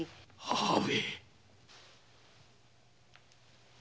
母上